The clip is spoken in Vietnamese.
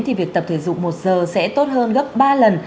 thì việc tập thể dục một giờ sẽ tốt hơn gấp ba lần